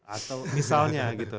atau misalnya gitu